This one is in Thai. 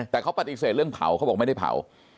แต่เขาปฏิเสธเรื่องเผาเขาบอกไม่ได้เผา